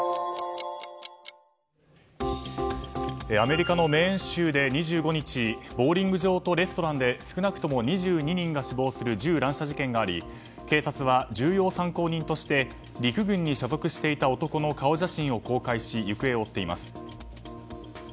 アメリカのメーン州で２５日ボウリング場とレストランで少なくとも２２人が死亡する銃乱射事件があり警察は重要参考人として陸軍に所属していた男の顔写真を公開し、行方を追っています。